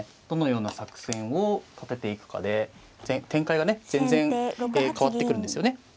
どのような作戦を立てていくかで展開がね全然変わってくるんですよね。